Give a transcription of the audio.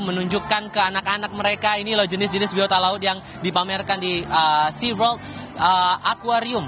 menunjukkan ke anak anak mereka ini loh jenis jenis biota laut yang dipamerkan di seafood aquarium